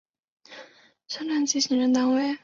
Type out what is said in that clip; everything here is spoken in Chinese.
连滩镇是下辖的一个乡镇级行政单位。